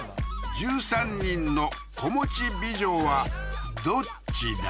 １３人の子持ち美女はどっちだ？